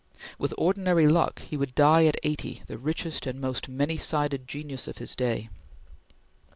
With ordinary luck he would die at eighty the richest and most many sided genius of his day.